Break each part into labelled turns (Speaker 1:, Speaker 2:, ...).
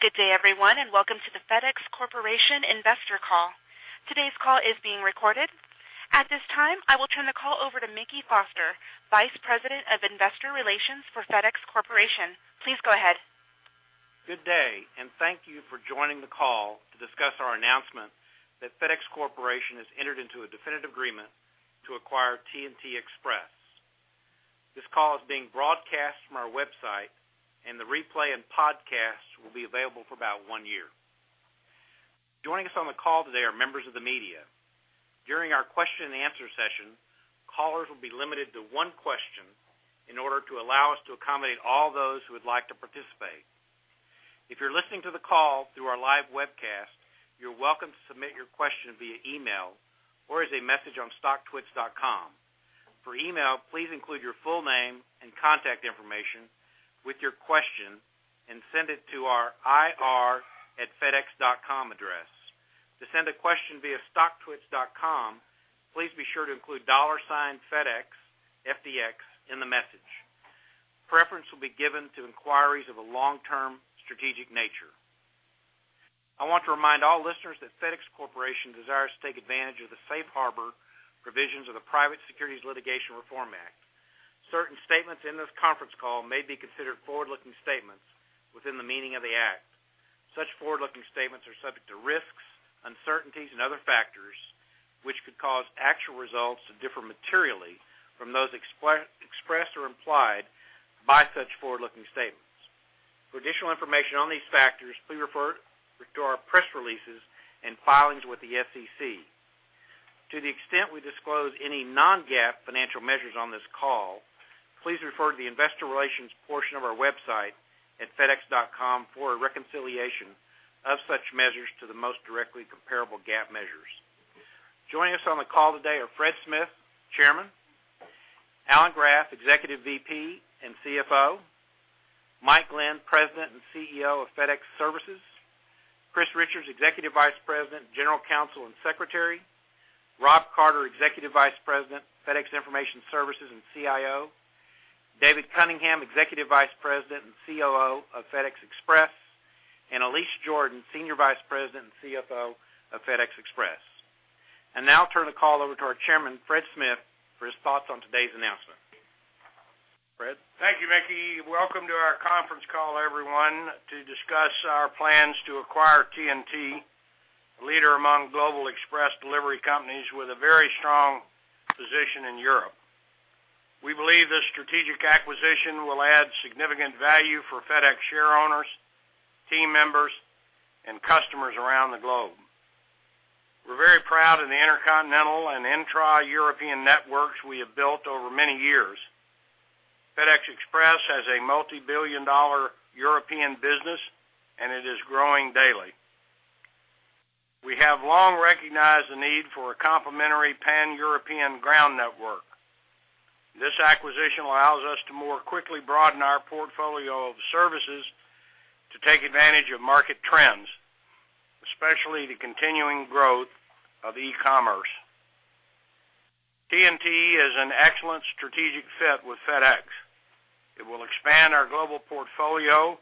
Speaker 1: Good day, everyone, and welcome to the FedEx Corporation investor call. Today's call is being recorded. At this time, I will turn the call over to Mickey Foster, Vice President of Investor Relations for FedEx Corporation. Please go ahead.
Speaker 2: Good day, and thank you for joining the call to discuss our announcement that FedEx Corporation has entered into a definitive agreement to acquire TNT Express. This call is being broadcast from our website, and the replay and podcast will be available for about one year. Joining us on the call today are members of the media. During our question-and-answer session, callers will be limited to one question in order to allow us to accommodate all those who would like to participate. If you're listening to the call through our live webcast, you're welcome to submit your question via email or as a message on StockTwits.com. For email, please include your full name and contact information with your question and send it to our ir@fedex.com address. To send a question via StockTwits.com, please be sure to include dollar sign FedEx, FDX, in the message. Preference will be given to inquiries of a long-term strategic nature. I want to remind all listeners that FedEx Corporation desires to take advantage of the safe harbor provisions of the Private Securities Litigation Reform Act. Certain statements in this conference call may be considered forward-looking statements within the meaning of the act. Such forward-looking statements are subject to risks, uncertainties, and other factors which could cause actual results to differ materially from those expressed or implied by such forward-looking statements. For additional information on these factors, please refer to our press releases and filings with the SEC. To the extent we disclose any non-GAAP financial measures on this call, please refer to the investor relations portion of our website at fedex.com for a reconciliation of such measures to the most directly comparable GAAP measures. Joining us on the call today are Fred Smith, Chairman, Alan Graf, Executive VP and CFO, Mike Glenn, President and CEO of FedEx Services, Christine Richards, Executive Vice President, General Counsel and Secretary, Rob Carter, Executive Vice President, FedEx Information Services and CIO, David Cunningham, Executive Vice President and COO of FedEx Express, and Cathy Ross, Senior Vice President and CFO of FedEx Express. Now I'll turn the call over to our Chairman, Fred Smith, for his thoughts on today's announcement. Fred?
Speaker 3: Thank you, Mickey. Welcome to our conference call, everyone, to discuss our plans to acquire TNT, a leader among global express delivery companies with a very strong position in Europe. We believe this strategic acquisition will add significant value for FedEx share owners, team members, and customers around the globe. We're very proud of the intercontinental and intra-European networks we have built over many years. FedEx Express has a multi-billion-dollar European business, and it is growing daily. We have long recognized the need for a complementary pan-European ground network. This acquisition allows us to more quickly broaden our portfolio of services to take advantage of market trends, especially the continuing growth of e-commerce. TNT is an excellent strategic fit with FedEx. It will expand our global portfolio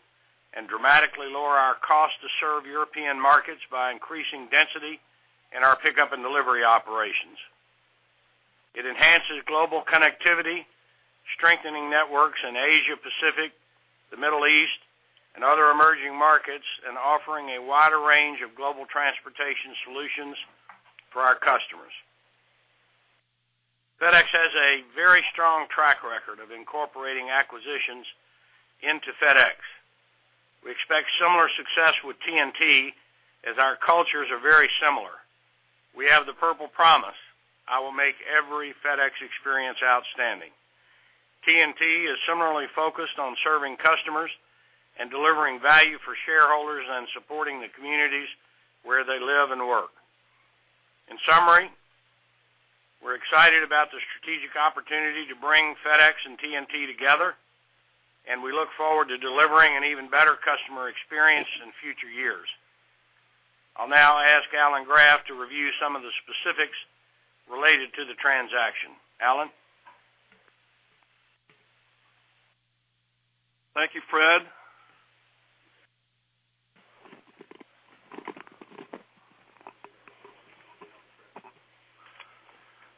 Speaker 3: and dramatically lower our cost to serve European markets by increasing density in our pickup and delivery operations. It enhances global connectivity, strengthening networks in Asia-Pacific, the Middle East, and other emerging markets, and offering a wider range of global transportation solutions for our customers. FedEx has a very strong track record of incorporating acquisitions into FedEx. We expect similar success with TNT as our cultures are very similar. We have the Purple Promise: I will make every FedEx experience outstanding. TNT is similarly focused on serving customers and delivering value for shareholders and supporting the communities where they live and work. In summary, we're excited about the strategic opportunity to bring FedEx and TNT together, and we look forward to delivering an even better customer experience in future years. I'll now ask Alan Graf to review some of the specifics related to the transaction. Alan?
Speaker 4: Thank you, Fred.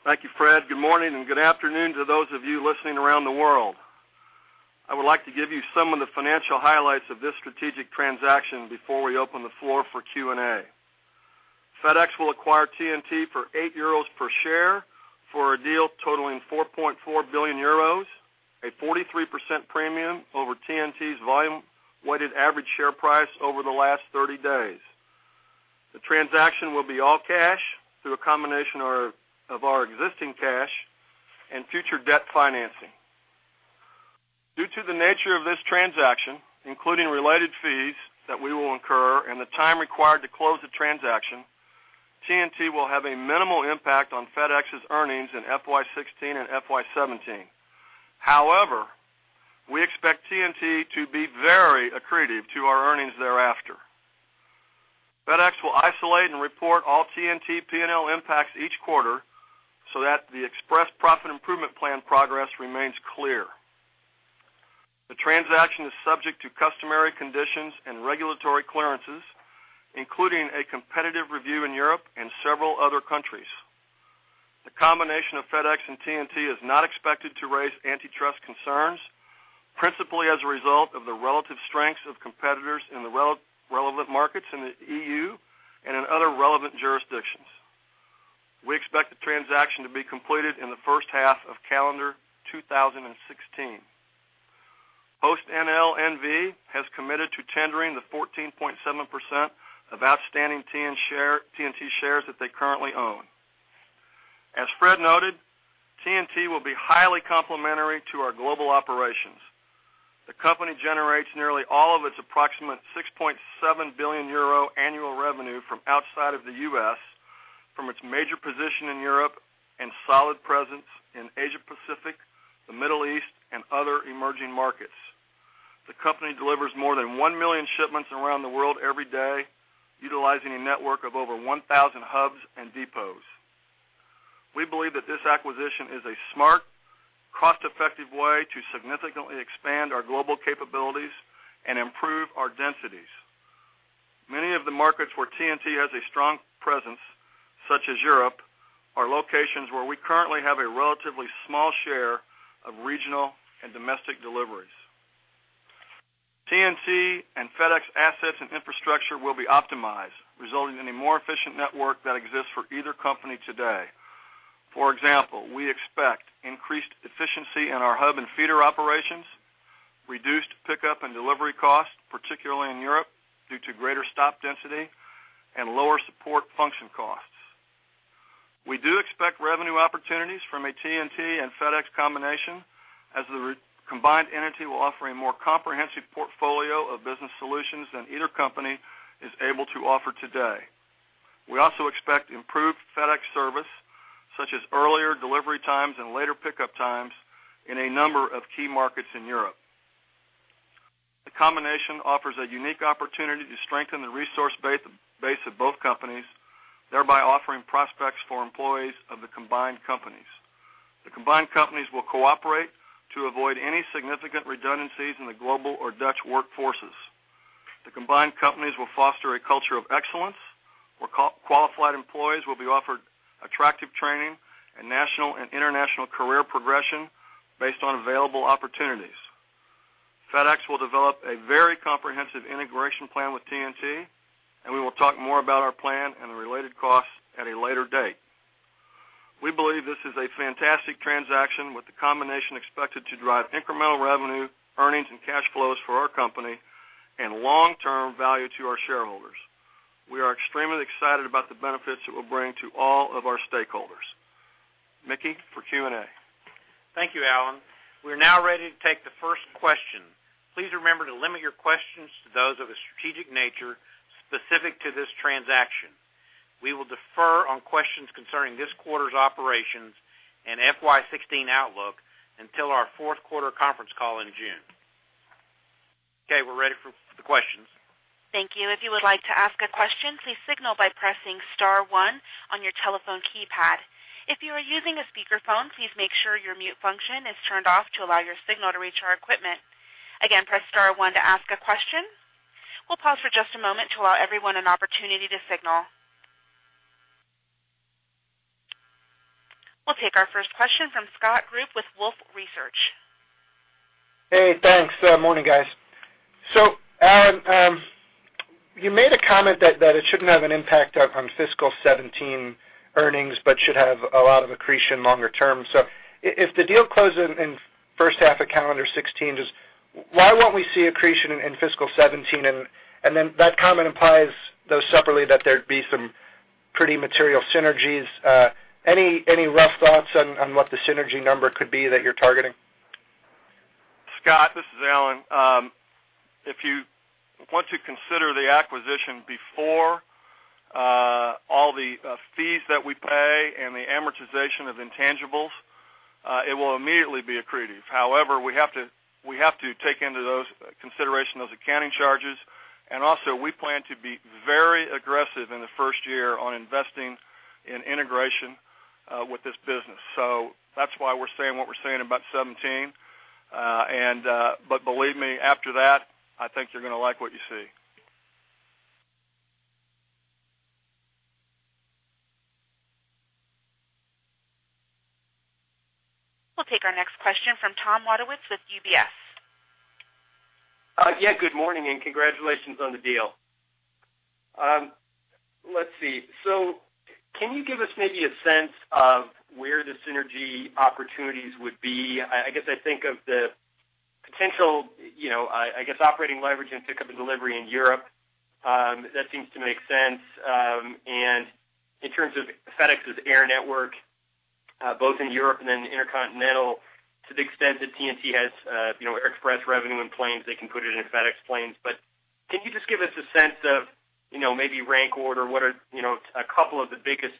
Speaker 4: Thank you, Fred. Good morning and good afternoon to those of you listening around the world. I would like to give you some of the financial highlights of this strategic transaction before we open the floor for Q&A. FedEx will acquire TNT for 8 euros per share for a deal totaling 4.4 billion euros, a 43% premium over TNT's volume-weighted average share price over the last 30 days. The transaction will be all cash through a combination of our existing cash and future debt financing. Due to the nature of this transaction, including related fees that we will incur and the time required to close the transaction, TNT will have a minimal impact on FedEx's earnings in FY16 and FY17. However, we expect TNT to be very accretive to our earnings thereafter. FedEx will isolate and report all TNT P&L impacts each quarter so that the express profit improvement plan progress remains clear. The transaction is subject to customary conditions and regulatory clearances, including a competitive review in Europe and several other countries. The combination of FedEx and TNT is not expected to raise antitrust concerns, principally as a result of the relative strengths of competitors in the relevant markets in the EU and in other relevant jurisdictions. We expect the transaction to be completed in the first half of calendar 2016. PostNL N.V. has committed to tendering the 14.7% of outstanding TNT shares that they currently own. As Fred noted, TNT will be highly complementary to our global operations. The company generates nearly all of its approximate 6.7 billion euro annual revenue from outside of the U.S., from its major position in Europe and solid presence in Asia-Pacific, the Middle East, and other emerging markets. The company delivers more than 1 million shipments around the world every day, utilizing a network of over 1,000 hubs and depots. We believe that this acquisition is a smart, cost-effective way to significantly expand our global capabilities and improve our densities. Many of the markets where TNT has a strong presence, such as Europe, are locations where we currently have a relatively small share of regional and domestic deliveries. TNT and FedEx assets and infrastructure will be optimized, resulting in a more efficient network that exists for either company today. For example, we expect increased efficiency in our hub and feeder operations, reduced pickup and delivery costs, particularly in Europe due to greater stop density and lower support function costs. We do expect revenue opportunities from a TNT and FedEx combination, as the combined entity will offer a more comprehensive portfolio of business solutions than either company is able to offer today. We also expect improved FedEx service, such as earlier delivery times and later pickup times in a number of key markets in Europe. The combination offers a unique opportunity to strengthen the resource base of both companies, thereby offering prospects for employees of the combined companies. The combined companies will cooperate to avoid any significant redundancies in the global or Dutch workforces. The combined companies will foster a culture of excellence, where qualified employees will be offered attractive training and national and international career progression based on available opportunities. FedEx will develop a very comprehensive integration plan with TNT, and we will talk more about our plan and the related costs at a later date. We believe this is a fantastic transaction with the combination expected to drive incremental revenue, earnings, and cash flows for our company and long-term value to our shareholders. We are extremely excited about the benefits it will bring to all of our stakeholders. Mickey, for Q&A.
Speaker 2: Thank you, Alan. We're now ready to take the first question. Please remember to limit your questions to those of a strategic nature specific to this transaction. We will defer on questions concerning this quarter's operations and FY16 outlook until our fourth quarter conference call in June. Okay, we're ready for the questions.
Speaker 1: Thank you. If you would like to ask a question, please signal by pressing star one on your telephone keypad. If you are using a speakerphone, please make sure your mute function is turned off to allow your signal to reach our equipment. Again, press star one to ask a question. We'll pause for just a moment to allow everyone an opportunity to signal. We'll take our first question from Scott Group with Wolfe Research.
Speaker 5: Hey, thanks. Good morning, guys. So, Alan, you made a comment that it shouldn't have an impact on fiscal 2017 earnings, but should have a lot of accretion longer term. So if the deal closes in the first half of calendar 2016, why won't we see accretion in fiscal 2017? And then that comment implies though separately that there'd be some pretty material synergies. Any rough thoughts on what the synergy number could be that you're targeting?
Speaker 4: Scott, this is Alan. If you want to consider the acquisition before all the fees that we pay and the amortization of intangibles, it will immediately be accretive. However, we have to take into consideration those accounting charges. And also, we plan to be very aggressive in the first year on investing in integration with this business. So that's why we're saying what we're saying about 2017. But believe me, after that, I think you're going to like what you see.
Speaker 1: We'll take our next question from Tom Wadewitz with UBS.
Speaker 6: Yeah, good morning and congratulations on the deal. Let's see. So can you give us maybe a sense of where the synergy opportunities would be? I guess I think of the potential, I guess, operating leverage and pickup and delivery in Europe. That seems to make sense. And in terms of FedEx's air network, both in Europe and then intercontinental, to the extent that TNT has express revenue in planes, they can put it in FedEx planes. But can you just give us a sense of maybe rank order? What are a couple of the biggest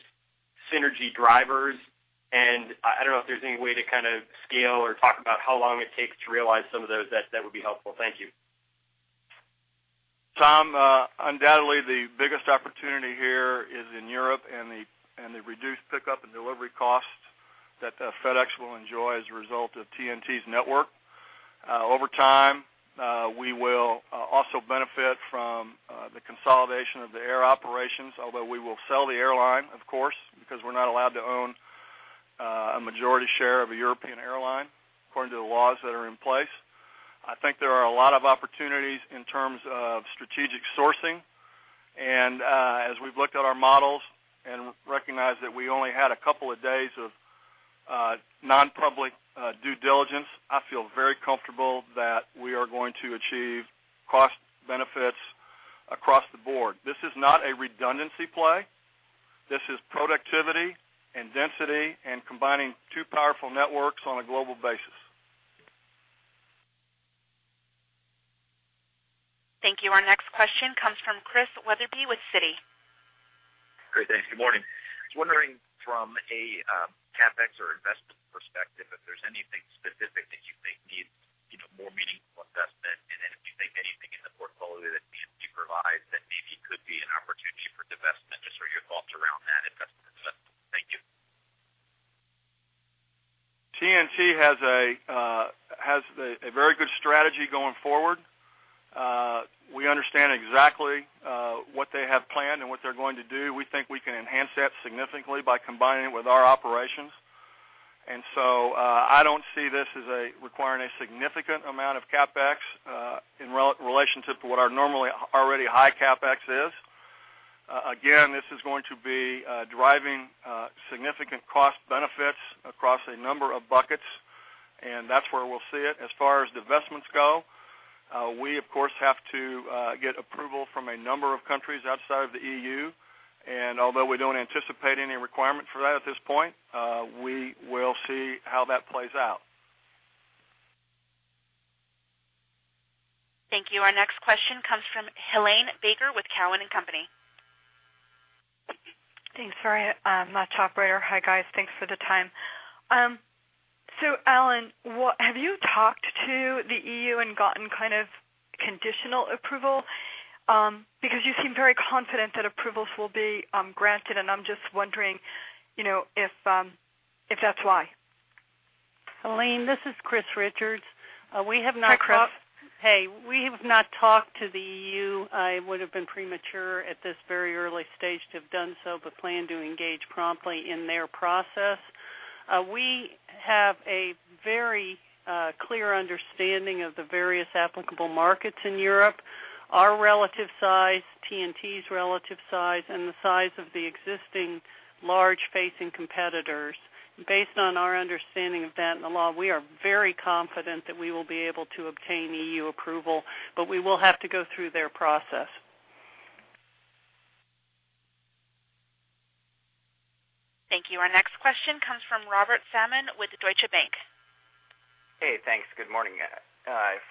Speaker 6: synergy drivers? And I don't know if there's any way to kind of scale or talk about how long it takes to realize some of those. That would be helpful. Thank you.
Speaker 3: Tom, undoubtedly, the biggest opportunity here is in Europe and the reduced pickup and delivery costs that FedEx will enjoy as a result of TNT's network. Over time, we will also benefit from the consolidation of the air operations, although we will sell the airline, of course, because we're not allowed to own a majority share of a European airline according to the laws that are in place. I think there are a lot of opportunities in terms of strategic sourcing. And as we've looked at our models and recognized that we only had a couple of days of non-public due diligence, I feel very comfortable that we are going to achieve cost benefits across the board. This is not a redundancy play. This is productivity and density and combining two powerful networks on a global basis.
Speaker 1: Thank you. Our next question comes from Christian Wetherbee with Citi.
Speaker 7: Great, thanks. Good morning. I was wondering from a CapEx or investment perspective if there's anything specific that you think needs more meaningful investment and if you think anything in the portfolio that TNT provides that maybe could be an opportunity for divestment? Just your thoughts around that investment. Thank you.
Speaker 4: TNT has a very good strategy going forward. We understand exactly what they have planned and what they're going to do. We think we can enhance that significantly by combining it with our operations. And so I don't see this as requiring a significant amount of CapEx in relationship to what our normally already high CapEx is. Again, this is going to be driving significant cost benefits across a number of buckets, and that's where we'll see it. As far as divestments go, we, of course, have to get approval from a number of countries outside of the EU. And although we don't anticipate any requirement for that at this point, we will see how that plays out.
Speaker 1: Thank you. Our next question comes from Helane Becker with Cowen and Company.
Speaker 8: Thanks, Farhan. I'm the operator. Hi, guys. Thanks for the time. So, Alan, have you talked to the EU and gotten kind of conditional approval? Because you seem very confident that approvals will be granted, and I'm just wondering if that's why.
Speaker 9: Helane, this is Christine Richards. We have not talked.
Speaker 8: Hi, Chris.
Speaker 9: Hey. We have not talked to the EU. It would have been premature at this very early stage to have done so, but plan to engage promptly in their process. We have a very clear understanding of the various applicable markets in Europe, our relative size, TNT's relative size, and the size of the existing large-facing competitors. Based on our understanding of that and the law, we are very confident that we will be able to obtain EU approval, but we will have to go through their process.
Speaker 1: Thank you. Our next question comes from Robert Salmon with Deutsche Bank.
Speaker 10: Hey, thanks. Good morning.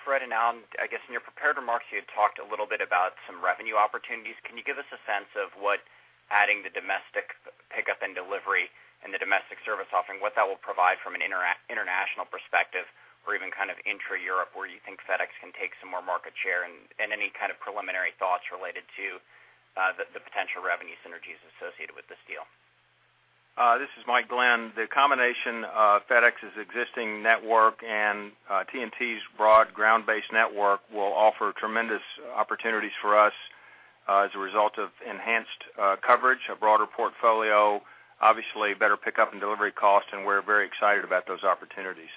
Speaker 10: Fred and Alan, I guess in your prepared remarks, you had talked a little bit about some revenue opportunities. Can you give us a sense of what adding the domestic pickup and delivery and the domestic service offering, what that will provide from an international perspective or even kind of intra-Europe where you think FedEx can take some more market share and any kind of preliminary thoughts related to the potential revenue synergies associated with this deal?
Speaker 11: This is Mike Glenn. The combination of FedEx's existing network and TNT's broad ground-based network will offer tremendous opportunities for us as a result of enhanced coverage, a broader portfolio, obviously better pickup and delivery costs, and we're very excited about those opportunities.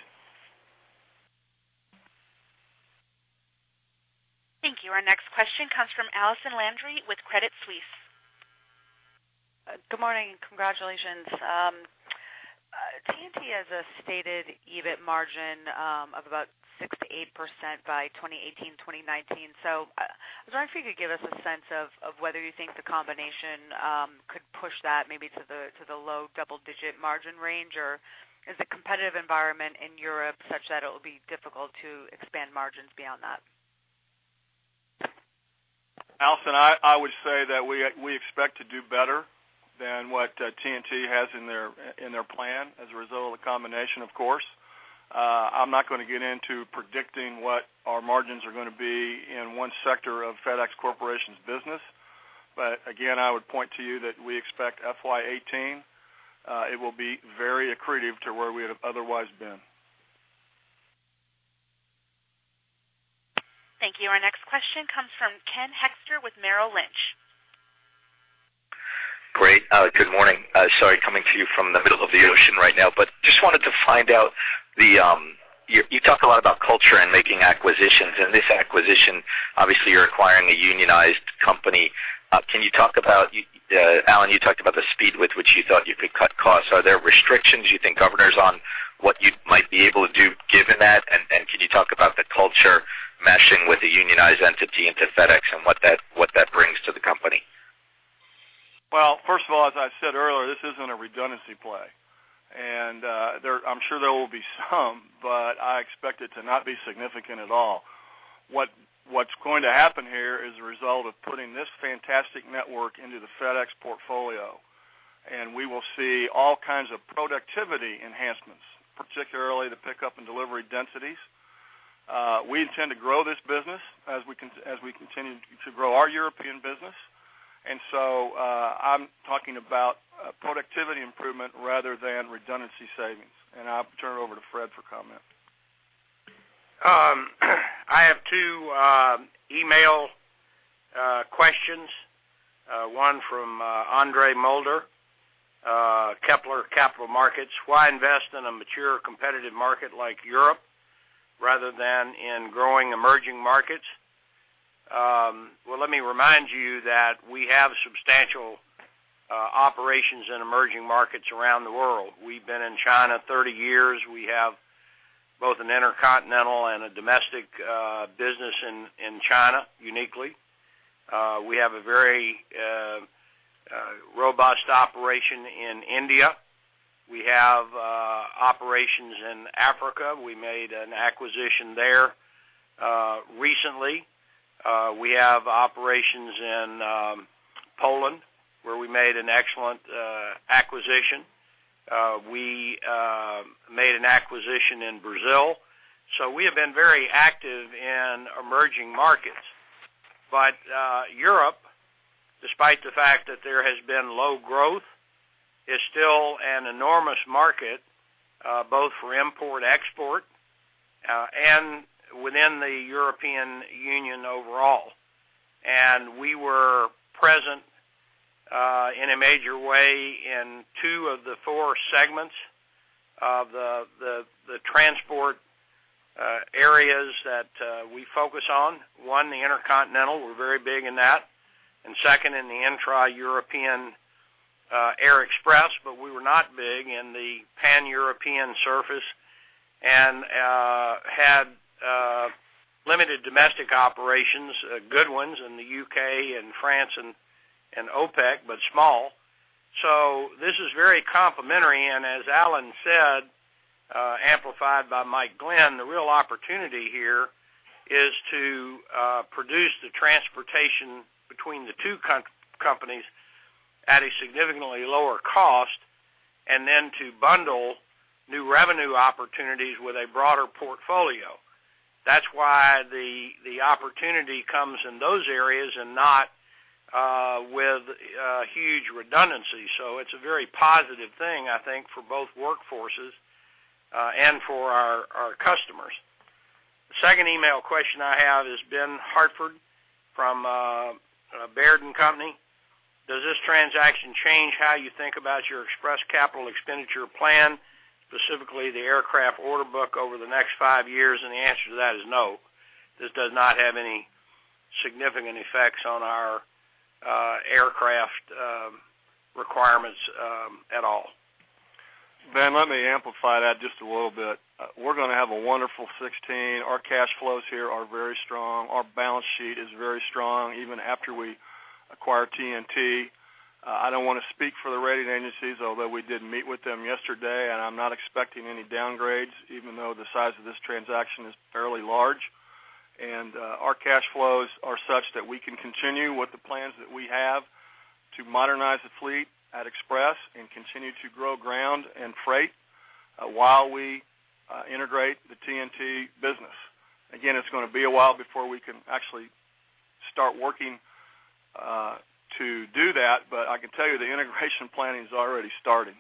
Speaker 1: Thank you. Our next question comes from Allison Landry with Credit Suisse.
Speaker 12: Good morning and congratulations. TNT has a stated EBIT margin of about 6%-8% by 2018, 2019. So I was wondering if you could give us a sense of whether you think the combination could push that maybe to the low double-digit margin range, or is the competitive environment in Europe such that it will be difficult to expand margins beyond that?
Speaker 4: Allison, I would say that we expect to do better than what TNT has in their plan as a result of the combination, of course. I'm not going to get into predicting what our margins are going to be in one sector of FedEx Corporation's business. But again, I would point to you that we expect FY18 it will be very accretive to where we have otherwise been.
Speaker 1: Thank you. Our next question comes from Ken Hoexter with Merrill Lynch.
Speaker 13: Great. Good morning. Sorry, coming to you from the middle of the ocean right now, but just wanted to find out you talk a lot about culture and making acquisitions. And this acquisition, obviously, you're acquiring a unionized company. Can you talk about, Alan, you talked about the speed with which you thought you could cut costs. Are there restrictions you think govern what you might be able to do given that? And can you talk about the culture meshing with a unionized entity into FedEx and what that brings to the company?
Speaker 4: Well, first of all, as I said earlier, this isn't a redundancy play. I'm sure there will be some, but I expect it to not be significant at all. What's going to happen here is a result of putting this fantastic network into the FedEx portfolio. We will see all kinds of productivity enhancements, particularly the pickup and delivery densities. We intend to grow this business as we continue to grow our European business. So I'm talking about productivity improvement rather than redundancy savings. I'll turn it over to Fred for comment.
Speaker 3: I have two email questions. One from Andre Mulder, Kepler Capital Markets. Why invest in a mature competitive market like Europe rather than in growing emerging markets? Well, let me remind you that we have substantial operations in emerging markets around the world. We've been in China 30 years. We have both an intercontinental and a domestic business in China uniquely. We have a very robust operation in India. We have operations in Africa. We made an acquisition there recently. We have operations in Poland where we made an excellent acquisition. We made an acquisition in Brazil. So we have been very active in emerging markets. But Europe, despite the fact that there has been low growth, is still an enormous market both for import, export, and within the European Union overall. And we were present in a major way in two of the four segments of the transport areas that we focus on. One, the intercontinental. We're very big in that. And second, in the intra-European air express, but we were not big in the pan-European surface and had limited domestic operations, good ones in the UK and France and Opek, but small. So this is very complementary. And as Alan said, amplified by Mike Glenn, the real opportunity here is to produce the transportation between the two companies at a significantly lower cost and then to bundle new revenue opportunities with a broader portfolio. That's why the opportunity comes in those areas and not with huge redundancy. So it's a very positive thing, I think, for both workforces and for our customers. The second email question I have is Ben Hartford from Baird. Does this transaction change how you think about your express capital expenditure plan, specifically the aircraft order book over the next five years? The answer to that is no. This does not have any significant effects on our aircraft requirements at all.
Speaker 4: Ben, let me amplify that just a little bit. We're going to have a wonderful 2016. Our cash flows here are very strong. Our balance sheet is very strong even after we acquired TNT. I don't want to speak for the rating agencies, although we did meet with them yesterday, and I'm not expecting any downgrades, even though the size of this transaction is fairly large. Our cash flows are such that we can continue with the plans that we have to modernize the fleet at Express and continue to grow ground and freight while we integrate the TNT business. Again, it's going to be a while before we can actually start working to do that, but I can tell you the integration planning is already starting.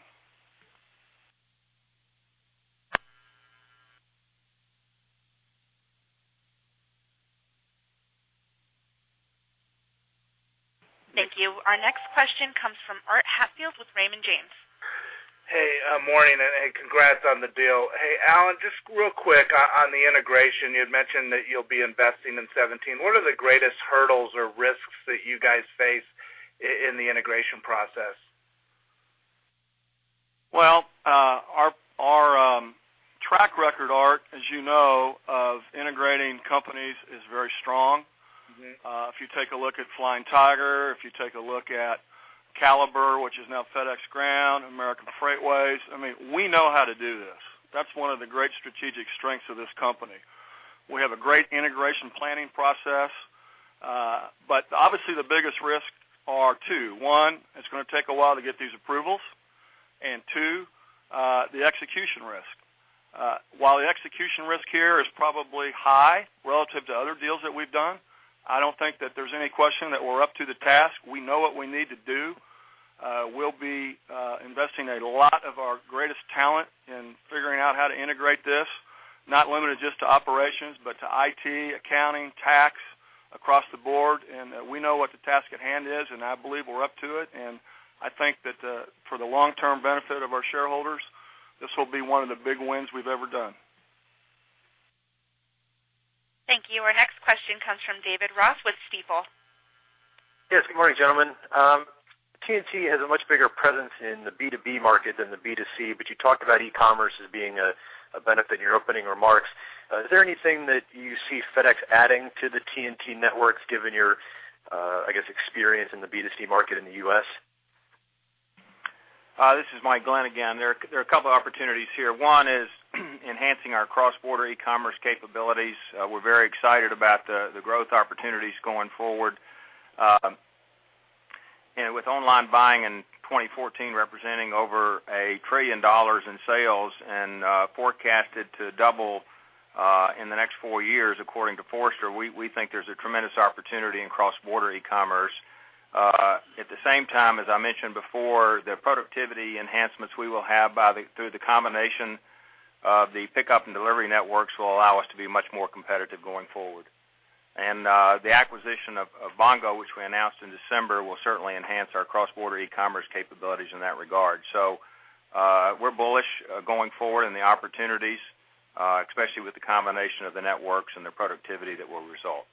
Speaker 1: Thank you. Our next question comes from Art Hatfield with Raymond James.
Speaker 14: Hey, morning and congrats on the deal. Hey, Alan, just real quick on the integration. You had mentioned that you'll be investing in 2017. What are the greatest hurdles or risks that you guys face in the integration process?
Speaker 4: Well, our track record, Art, as you know, of integrating companies is very strong. If you take a look at Flying Tiger, if you take a look at Caliber, which is now FedEx Ground, American Freightways, I mean, we know how to do this. That's one of the great strategic strengths of this company. We have a great integration planning process, but obviously the biggest risks are two. One, it's going to take a while to get these approvals. Two, the execution risk. While the execution risk here is probably high relative to other deals that we've done, I don't think that there's any question that we're up to the task. We know what we need to do. We'll be investing a lot of our greatest talent in figuring out how to integrate this, not limited just to operations, but to IT, accounting, tax across the board. We know what the task at hand is, and I believe we're up to it. I think that for the long-term benefit of our shareholders, this will be one of the big wins we've ever done.
Speaker 1: Thank you. Our next question comes from David Ross with Stifel.
Speaker 15: Yes, good morning, gentlemen. TNT has a much bigger presence in the B2B market than the B2C, but you talked about e-commerce as being a benefit in your opening remarks. Is there anything that you see FedEx adding to the TNT networks given your, I guess, experience in the B2C market in the US?
Speaker 11: This is Mike Glenn again. There are a couple of opportunities here. One is enhancing our cross-border e-commerce capabilities. We're very excited about the growth opportunities going forward. And with online buying in 2014 representing over $1 trillion in sales and forecasted to double in the next four years, according to Forrester, we think there's a tremendous opportunity in cross-border e-commerce. At the same time, as I mentioned before, the productivity enhancements we will have through the combination of the pickup and delivery networks will allow us to be much more competitive going forward. And the acquisition of Bongo, which we announced in December, will certainly enhance our cross-border e-commerce capabilities in that regard. So we're bullish going forward in the opportunities, especially with the combination of the networks and the productivity that will result.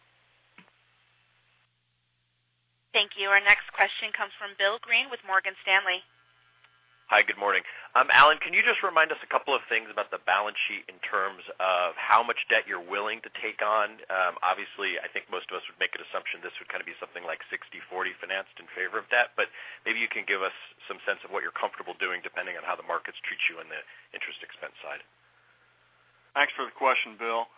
Speaker 1: Thank you. Our next question comes from William Greene with Morgan Stanley.
Speaker 16: Hi, good morning. Alan, can you just remind us a couple of things about the balance sheet in terms of how much debt you're willing to take on? Obviously, I think most of us would make an assumption this would kind of be something like 60/40 financed in favor of that, but maybe you can give us some sense of what you're comfortable doing depending on how the markets treat you on the interest expense side?
Speaker 4: Thanks for the question, Bill.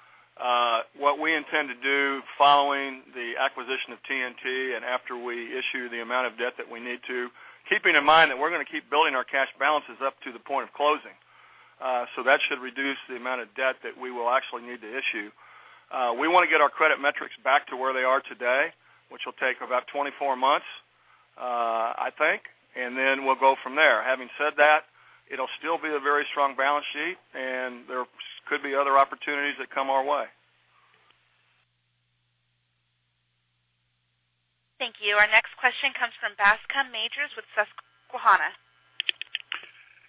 Speaker 4: What we intend to do following the acquisition of TNT and after we issue the amount of debt that we need to, keeping in mind that we're going to keep building our cash balances up to the point of closing. So that should reduce the amount of debt that we will actually need to issue. We want to get our credit metrics back to where they are today, which will take about 24 months, I think, and then we'll go from there. Having said that, it'll still be a very strong balance sheet, and there could be other opportunities that come our way.
Speaker 1: Thank you. Our next question comes from Bascom Majors with Susquehanna.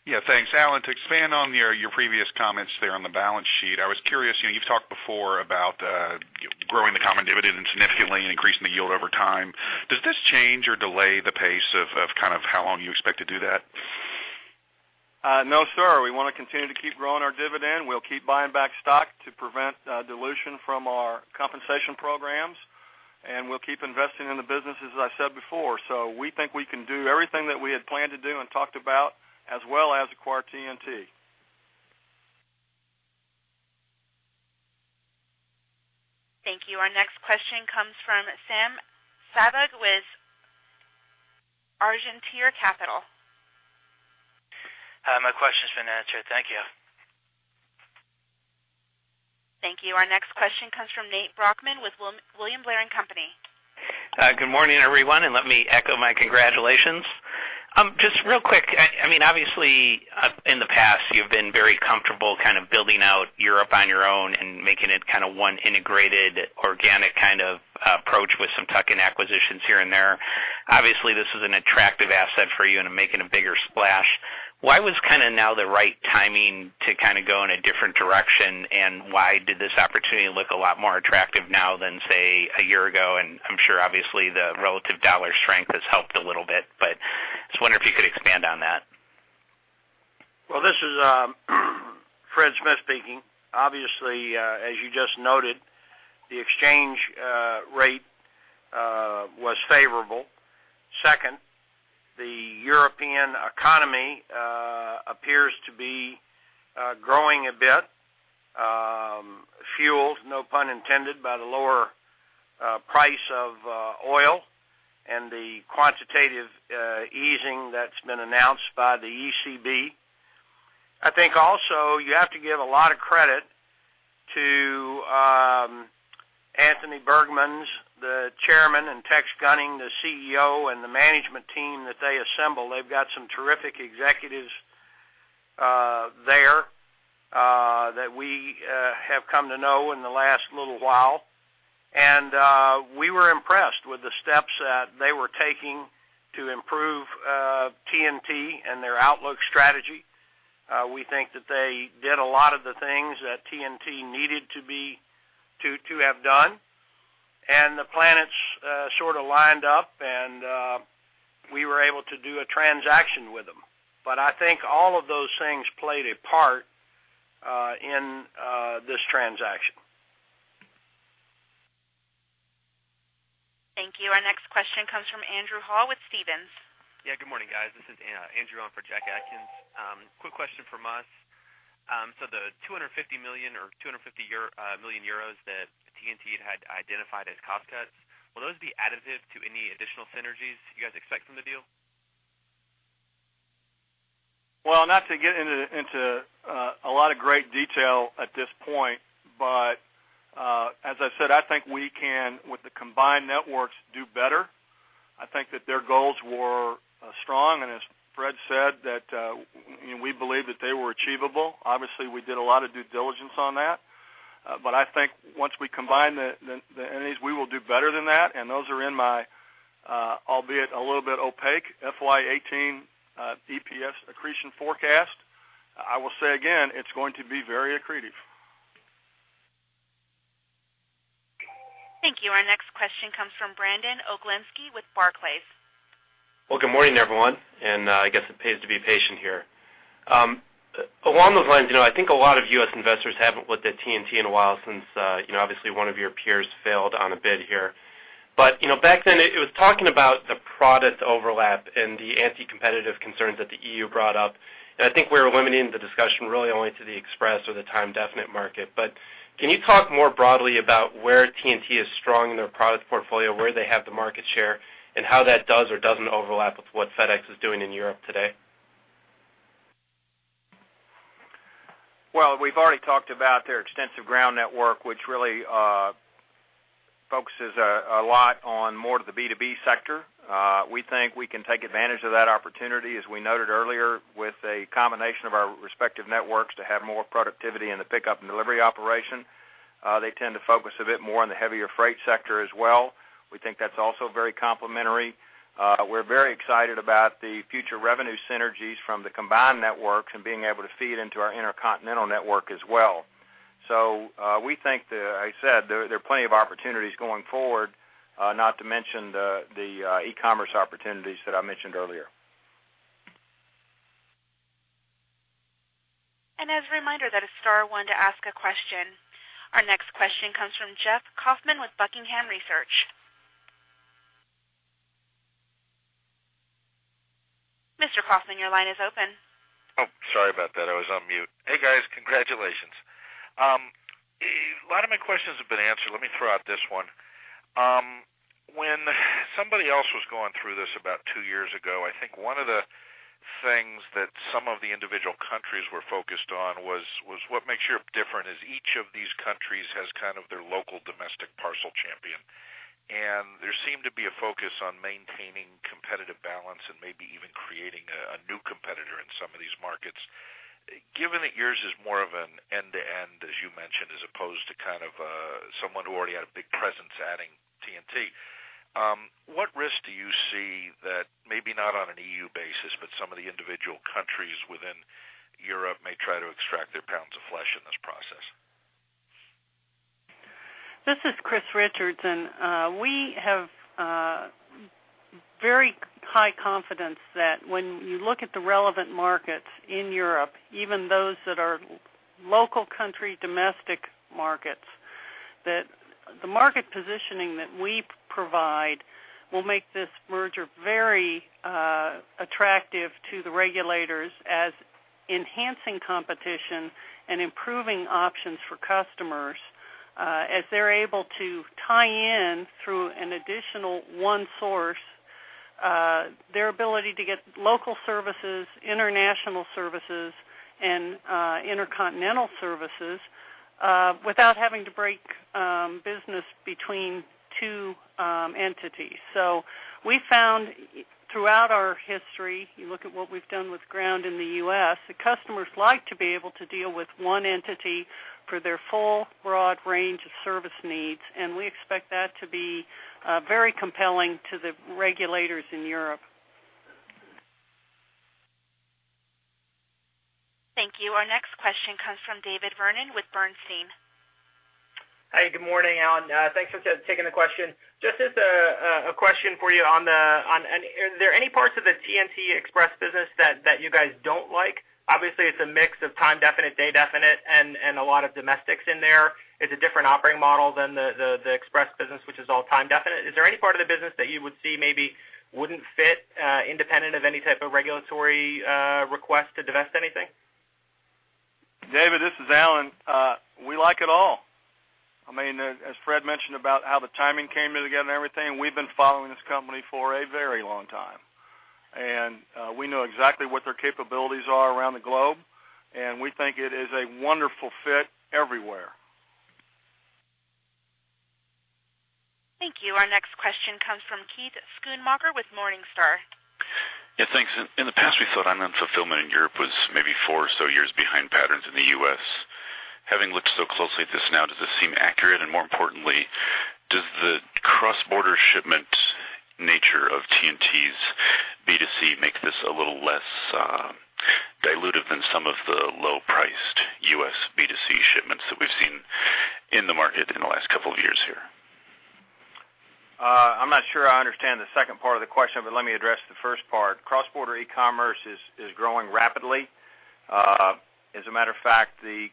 Speaker 17: Yeah, thanks. Alan, to expand on your previous comments there on the balance sheet, I was curious, you've talked before about growing the common dividend significantly and increasing the yield over time. Does this change or delay the pace of kind of how long you expect to do that?
Speaker 4: No, sir. We want to continue to keep growing our dividend. We'll keep buying back stock to prevent dilution from our compensation programs. And we'll keep investing in the businesses, as I said before. So we think we can do everything that we had planned to do and talked about as well as acquire TNT.
Speaker 1: Thank you. Our next question comes from Sam Savage with Argentière Capital.
Speaker 18: Hi, my question's been answered. Thank you.
Speaker 1: Thank you. Our next question comes from Nate Brochmann with William Blair & Company.
Speaker 19: Good morning, everyone. Let me echo my congratulations. Just real quick, I mean, obviously, in the past, you've been very comfortable kind of building out Europe on your own and making it kind of one integrated, organic kind of approach with some tuck-in acquisitions here and there. Obviously, this was an attractive asset for you in making a bigger splash. Why was kind of now the right timing to kind of go in a different direction? And why did this opportunity look a lot more attractive now than, say, a year ago? And I'm sure, obviously, the relative dollar strength has helped a little bit, but I just wonder if you could expand on that?
Speaker 3: Well, this is Fred Smith speaking. Obviously, as you just noted, the exchange rate was favorable. Second, the European economy appears to be growing a bit, fueled, no pun intended, by the lower price of oil and the quantitative easing that's been announced by the ECB. I think also you have to give a lot of credit to Antony Burgmans, the chairman, and Tex Gunning, the CEO, and the management team that they assemble. They've got some terrific executives there that we have come to know in the last little while. And we were impressed with the steps that they were taking to improve TNT and their outlook strategy. We think that they did a lot of the things that TNT needed to have done. And the planets sort of lined up, and we were able to do a transaction with them. But I think all of those things played a part in this transaction.
Speaker 1: Thank you. Our next question comes from Andrew Hall with Stephens.
Speaker 20: Yeah, good morning, guys. This is Andrew on for Jack Atkins. Quick question from us. So the 250 million or 250 million euros that TNT had identified as cost cuts, will those be additive to any additional synergies you guys expect from the deal?
Speaker 4: Well, not to get into a lot of great detail at this point, but as I said, I think we can, with the combined networks, do better. I think that their goals were strong. And as Fred said, we believe that they were achievable. Obviously, we did a lot of due diligence on that. But I think once we combine the entities, we will do better than that. And those are in my, albeit a little bit opaque, FY18 EPS accretion forecast. I will say again, it's going to be very accretive.
Speaker 1: Thank you. Our next question comes from Brandon Oglenski with Barclays.
Speaker 21: Well, good morning, everyone. And I guess it pays to be patient here. Along those lines, I think a lot of U.S. investors haven't looked at TNT in a while since, obviously, one of your peers failed on a bid here. But back then, it was talking about the product overlap and the anti-competitive concerns that the EU brought up. And I think we're limiting the discussion really only to the express or the time-definite market. But can you talk more broadly about where TNT is strong in their product portfolio, where they have the market share, and how that does or doesn't overlap with what FedEx is doing in Europe today?
Speaker 3: Well, we've already talked about their extensive ground network, which really focuses a lot on more of the B2B sector. We think we can take advantage of that opportunity, as we noted earlier, with a combination of our respective networks to have more productivity in the pickup and delivery operation. They tend to focus a bit more on the heavier freight sector as well. We think that's also very complementary. We're very excited about the future revenue synergies from the combined networks and being able to feed into our intercontinental network as well. So we think, as I said, there are plenty of opportunities going forward, not to mention the e-commerce opportunities that I mentioned earlier.
Speaker 1: As a reminder, that is star one to ask a question. Our next question comes from Jeffrey Kauffman with Buckingham Research. Mr. Kauffman, your line is open.
Speaker 22: Oh, sorry about that. I was on mute. Hey, guys, congratulations. A lot of my questions have been answered. Let me throw out this one. When somebody else was going through this about two years ago, I think one of the things that some of the individual countries were focused on was what makes Europe different is each of these countries has kind of their local domestic parcel champion. And there seemed to be a focus on maintaining competitive balance and maybe even creating a new competitor in some of these markets. Given that yours is more of an end-to-end, as you mentioned, as opposed to kind of someone who already had a big presence adding TNT, what risk do you see that maybe not on an EU basis, but some of the individual countries within Europe may try to extract their pounds of flesh in this process?
Speaker 9: This is Christine Richards. We have very high confidence that when you look at the relevant markets in Europe, even those that are local country domestic markets, that the market positioning that we provide will make this merger very attractive to the regulators as enhancing competition and improving options for customers as they're able to tie in through an additional one source, their ability to get local services, international services, and intercontinental services without having to break business between two entities. So we found throughout our history, you look at what we've done with Ground in the U.S., the customers like to be able to deal with one entity for their full broad range of service needs. We expect that to be very compelling to the regulators in Europe.
Speaker 1: Thank you. Our next question comes from David Vernon with Bernstein.
Speaker 23: Hi, good morning, Alan. Thanks for taking the question. Just as a question for you on, are there any parts of the TNT Express business that you guys don't like? Obviously, it's a mix of time-definite, day-definite, and a lot of domestics in there. It's a different operating model than the express business, which is all time-definite. Is there any part of the business that you would see maybe wouldn't fit independent of any type of regulatory request to divest anything?
Speaker 4: David, this is Alan. We like it all. I mean, as Fred mentioned about how the timing came together and everything, we've been following this company for a very long time. And we know exactly what their capabilities are around the globe. And we think it is a wonderful fit everywhere.
Speaker 1: Thank you. Our next question comes from Keith Schoonmaker with Morningstar.
Speaker 24: Yeah, thanks. In the past, we thought online fulfillment in Europe was maybe four or so years behind patterns in the U.S. Having looked so closely at this now, does this seem accurate? And more importantly, does the cross-border shipment nature of TNT's B2C make this a little less dilutive than some of the low-priced U.S. B2C shipments that we've seen in the market in the last couple of years here?
Speaker 3: I'm not sure I understand the second part of the question, but let me address the first part. Cross-border e-commerce is growing rapidly. As a matter of fact, the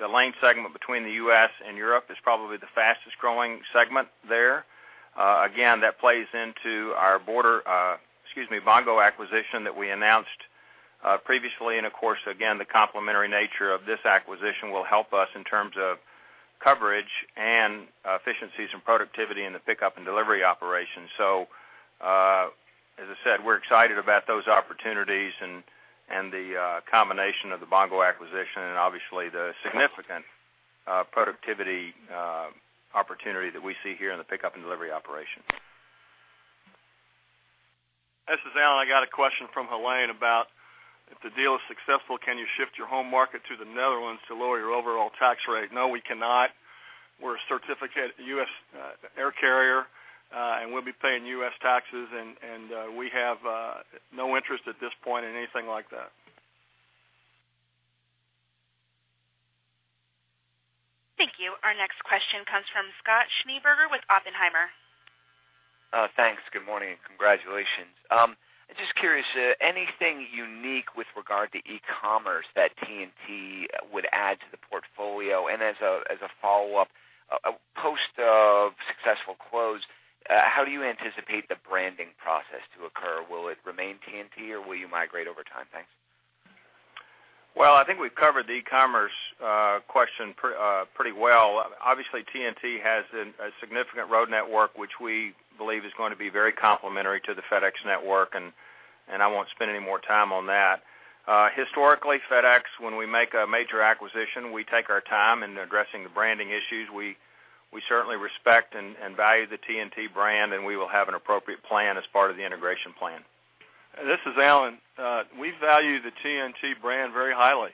Speaker 3: lane segment between the U.S. and Europe is probably the fastest growing segment there. Again, that plays into our border, excuse me, Bongo acquisition that we announced previously. And of course, again, the complementary nature of this acquisition will help us in terms of coverage and efficiencies and productivity in the pickup and delivery operation. So, as I said, we're excited about those opportunities and the combination of the Bongo acquisition and obviously the significant productivity opportunity that we see here in the pickup and delivery operation.
Speaker 4: This is Alan. I got a question from Helane about if the deal is successful, can you shift your home market to the Netherlands to lower your overall tax rate? No, we cannot. We're a certificated U.S. air carrier, and we'll be paying U.S. taxes. We have no interest at this point in anything like that.
Speaker 1: Thank you. Our next question comes from Scott Schneeberger with Oppenheimer.
Speaker 25: Thanks. Good morning. Congratulations. Just curious, anything unique with regard to e-commerce that TNT would add to the portfolio? And as a follow-up, post a successful close, how do you anticipate the branding process to occur? Will it remain TNT, or will you migrate over time? Thanks.
Speaker 3: Well, I think we've covered the e-commerce question pretty well. Obviously, TNT has a significant road network, which we believe is going to be very complementary to the FedEx network. I won't spend any more time on that. Historically, FedEx, when we make a major acquisition, we take our time in addressing the branding issues. We certainly respect and value the TNT brand, and we will have an appropriate plan as part of the integration plan.
Speaker 4: This is Alan. We value the TNT brand very highly.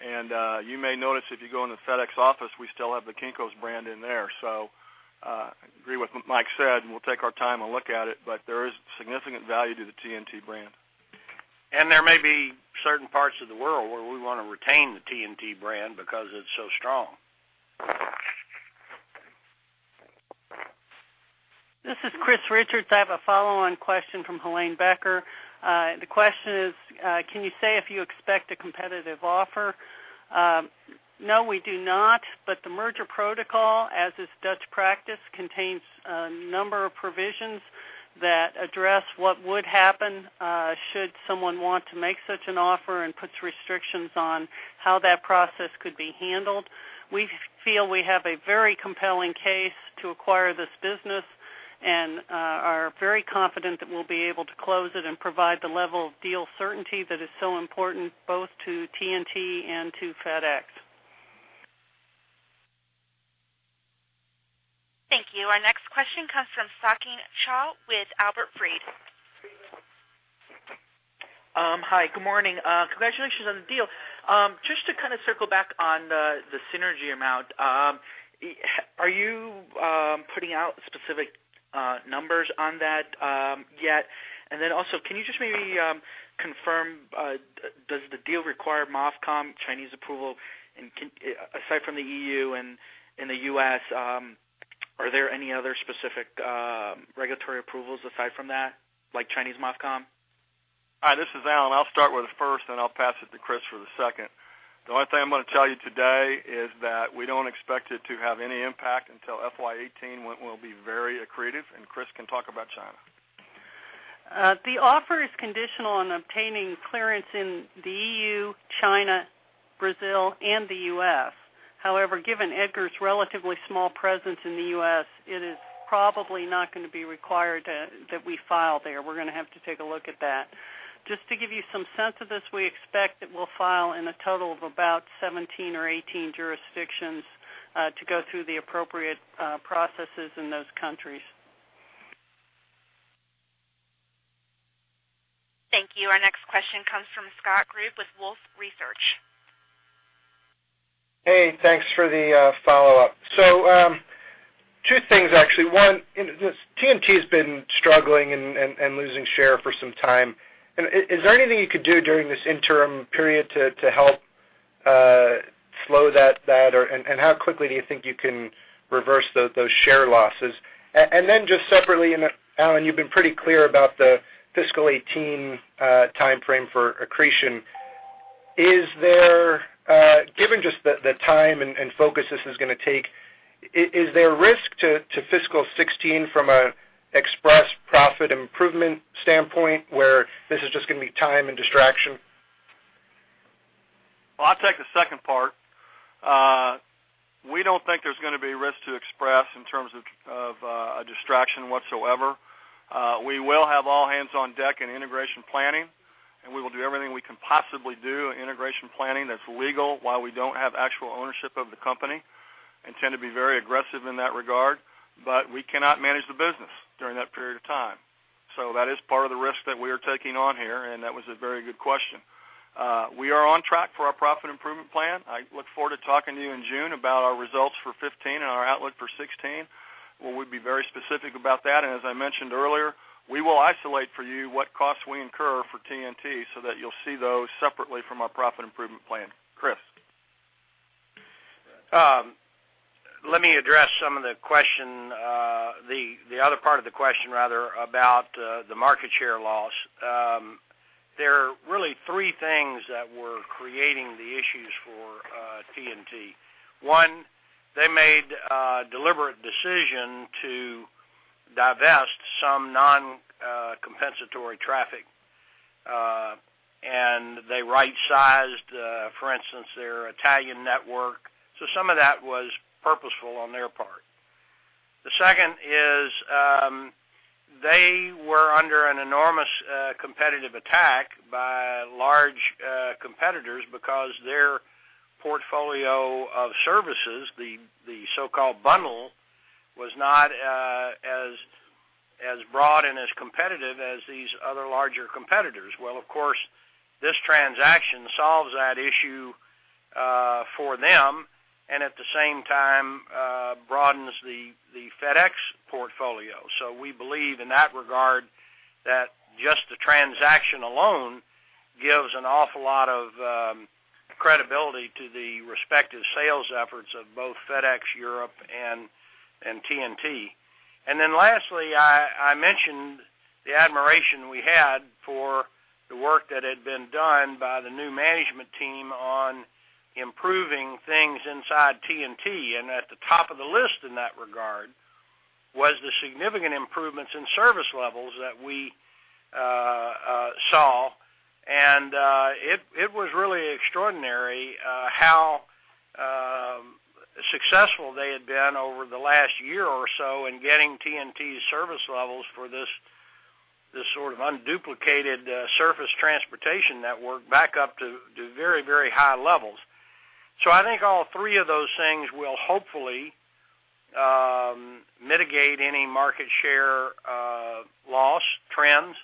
Speaker 4: You may notice if you go into the FedEx Office, we still have the Kinko's brand in there. I agree with what Mike said. We'll take our time and look at it, but there is significant value to the TNT brand.
Speaker 3: There may be certain parts of the world where we want to retain the TNT brand because it's so strong.
Speaker 9: This is Christine Richards. I have a follow-on question from Helane Becker. The question is, can you say if you expect a competitive offer? No, we do not. But the merger protocol, as is Dutch practice, contains a number of provisions that address what would happen should someone want to make such an offer and puts restrictions on how that process could be handled. We feel we have a very compelling case to acquire this business and are very confident that we'll be able to close it and provide the level of deal certainty that is so important both to TNT and to FedEx.
Speaker 1: Thank you. Our next question comes from Sachin Shah with Albert Fried.
Speaker 26: Hi, good morning. Congratulations on the deal. Just to kind of circle back on the synergy amount, are you putting out specific numbers on that yet? And then also, can you just maybe confirm, does the deal require MOFCOM, Chinese approval? And aside from the E.U. and the U.S., are there any other specific regulatory approvals aside from that, like Chinese MOFCOM?
Speaker 4: This is Alan. I'll start with the first, and I'll pass it to Chris for the second. The only thing I'm going to tell you today is that we don't expect it to have any impact until FY18 when we'll be very accretive. Chris can talk about China.
Speaker 9: The offer is conditional on obtaining clearance in the EU, China, Brazil, and the US. However, given TNT's relatively small presence in the US, it is probably not going to be required that we file there. We're going to have to take a look at that. Just to give you some sense of this, we expect that we'll file in a total of about 17 or 18 jurisdictions to go through the appropriate processes in those countries.
Speaker 1: Thank you. Our next question comes from Scott Group with Wolfe Research.
Speaker 5: Hey, thanks for the follow-up. So two things, actually. One, TNT has been struggling and losing share for some time. Is there anything you could do during this interim period to help slow that? And how quickly do you think you can reverse those share losses? And then just separately, Alan, you've been pretty clear about the fiscal 2018 timeframe for accretion. Given just the time and focus this is going to take, is there risk to fiscal 2016 from an express profit improvement standpoint where this is just going to be time and distraction?
Speaker 3: Well, I'll take the second part. We don't think there's going to be risk to Express in terms of a distraction whatsoever. We will have all hands on deck in integration planning, and we will do everything we can possibly do in integration planning that's legal while we don't have actual ownership of the company and intend to be very aggressive in that regard. But we cannot manage the business during that period of time. So that is part of the risk that we are taking on here. And that was a very good question. We are on track for our profit improvement plan. I look forward to talking to you in June about our results for 2015 and our outlook for 2016. We'll be very specific about that. As I mentioned earlier, we will isolate for you what costs we incur for TNT so that you'll see those separately from our profit improvement plan. Chris. Let me address some of the question, the other part of the question rather about the market share loss. There are really three things that were creating the issues for TNT. One, they made a deliberate decision to divest some non-compensatory traffic. And they right-sized, for instance, their Italian network. So some of that was purposeful on their part. The second is they were under an enormous competitive attack by large competitors because their portfolio of services, the so-called bundle, was not as broad and as competitive as these other larger competitors. Well, of course, this transaction solves that issue for them and at the same time broadens the FedEx portfolio. So we believe in that regard that just the transaction alone gives an awful lot of credibility to the respective sales efforts of both FedEx Europe and TNT. And then lastly, I mentioned the admiration we had for the work that had been done by the new management team on improving things inside TNT. And at the top of the list in that regard was the significant improvements in service levels that we saw. And it was really extraordinary how successful they had been over the last year or so in getting TNT's service levels for this sort of unduplicated surface transportation network back up to very, very high levels. So I think all three of those things will hopefully mitigate any market share loss trends.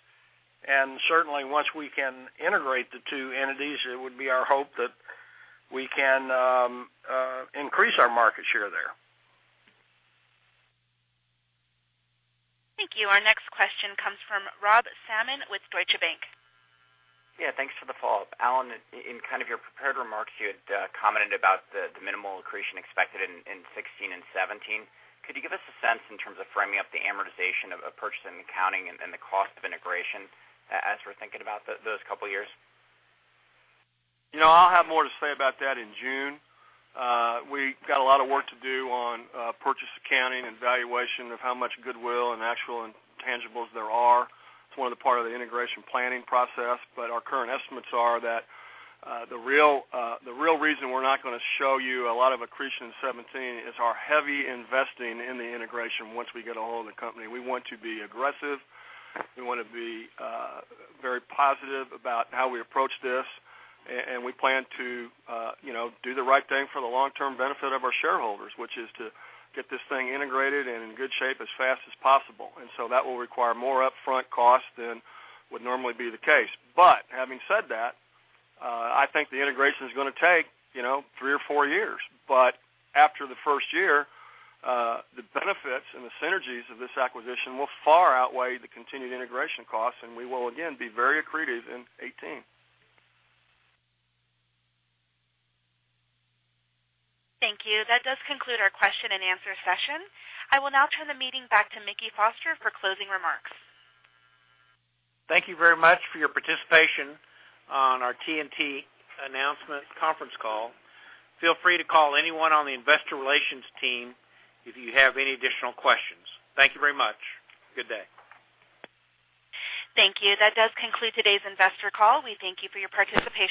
Speaker 3: And certainly, once we can integrate the two entities, it would be our hope that we can increase our market share there.
Speaker 1: Thank you. Our next question comes from Rob Salmon with Deutsche Bank.
Speaker 10: Yeah, thanks for the follow-up. Alan, in kind of your prepared remarks, you had commented about the minimal accretion expected in 2016 and 2017. Could you give us a sense in terms of framing up the amortization of purchasing and accounting and the cost of integration as we're thinking about those couple of years?
Speaker 4: I'll have more to say about that in June. We've got a lot of work to do on purchase accounting and valuation of how much goodwill and actual and intangibles there are as part of the integration planning process. But our current estimates are that the real reason we're not going to show you a lot of accretion in 2017 is our heavy investing in the integration once we get a hold of the company. We want to be aggressive. We want to be very positive about how we approach this. And we plan to do the right thing for the long-term benefit of our shareholders, which is to get this thing integrated and in good shape as fast as possible. And so that will require more upfront costs than would normally be the case. But having said that, I think the integration is going to take three or four years. But after the first year, the benefits and the synergies of this acquisition will far outweigh the continued integration costs. And we will, again, be very accretive in 2018.
Speaker 1: Thank you. That does conclude our question and answer session. I will now turn the meeting back to Mickey Foster for closing remarks.
Speaker 2: Thank you very much for your participation on our TNT announcement conference call. Feel free to call anyone on the investor relations team if you have any additional questions. Thank you very much. Good day.
Speaker 1: Thank you. That does conclude today's investor call. We thank you for your participation.